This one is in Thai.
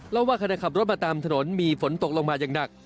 เราว่าใครได้ขับรถมาตามถนนมีฝนตกลงมาอย่างหนัก